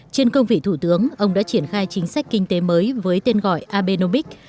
trên công vị thủ tướng ông đã triển khai chính sách kinh tế mới với tên gọi abenombique